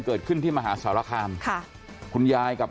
เกิดขึ้นที่มหาสารคามค่ะคุณยายกับ